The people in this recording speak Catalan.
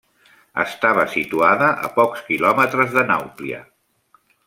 Estava situada a pocs quilòmetres de Nàuplia.